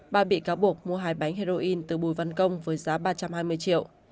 ba bị cáo buộc mua hai bánh heroin từ bùi văn công với giá ba trăm hai mươi triệu